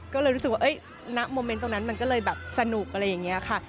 ก็เลยรู้สึกว่าณโมเมนต์ตรงนั้นมันก็เลยแบบสนุกอะไรอย่างนี้ค่ะ